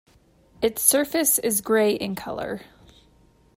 Its surface is grey in color.